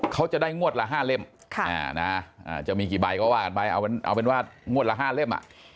เขาจะได้งวดละ๕เล่มจะมีกี่ใบก็ว่ากันไปเอาเป็นว่างวดละ๕เล่ม